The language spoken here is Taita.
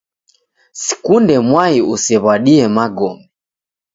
Sikunde mwai usew'uadie magome.